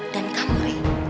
dan kamu re